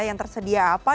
yang tersedia apa